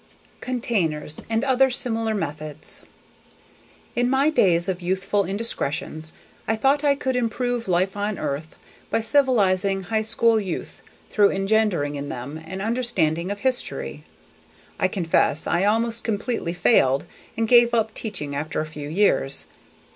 . Containers and Other Similar Methods In my days of youthful indiscretions I thought I could improve life on Earth by civilizing high school youth through engendering in them an understanding of history. I confess I almost completely failed and gave up teaching after a few years.